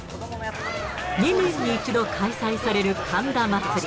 ２年に１度開催される神田祭。